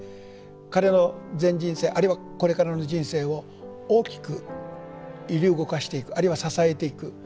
彼の全人生あるいはこれからの人生を大きく揺り動かしていくあるいは支えていく。